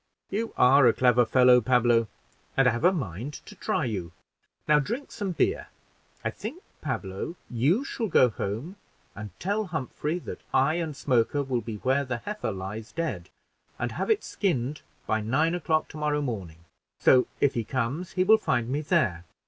"You are a clever fellow, Pablo, and I have a mind to try you. Now drink some beer. I think, Pablo, you shall go home, and tell Humphrey that I and Smoker will be where the heifer lies dead, and have it skinned by nine o'clock tomorrow morning; so, if he comes, he will find me there."